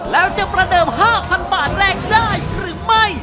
แล้วจะประเดิม๕๐๐บาทแรกได้หรือไม่